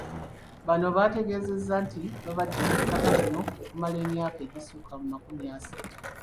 Bano baategeezezza nti babadde ku ttaka lino okumala emyaka egisukka mu makumi asatu.